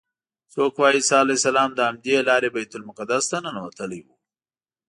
څوک وایي عیسی علیه السلام له همدې لارې بیت المقدس ته ننوتلی و.